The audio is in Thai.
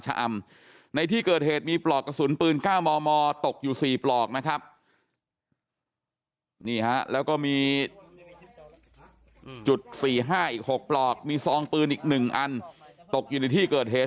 จุด๔๕อีก๖ปลอกมีซองปืนอีก๑อันตกอยู่ในที่เกิดเหตุ